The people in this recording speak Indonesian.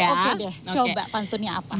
oke deh coba pantunnya apa